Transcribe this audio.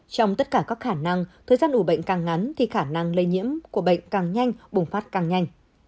trong tất cả các khả năng thời gian ủ bệnh càng ngắn thì khả năng lây nhiễm của bệnh càng nhanh bùng phát càng nhanh